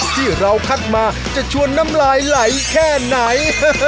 ที่เราคัดมาจะชวนน้ำลายไหลแค่ไหน